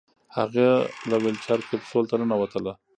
هغې له ویلچیر کپسول ته ننوتله.